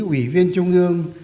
ủy viên trung ương